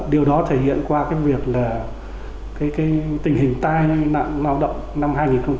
điều đó thể hiện qua cái việc là tình hình tai nạn lao động năm hai nghìn một mươi chín